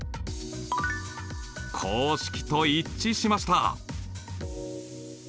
公式と一致しました！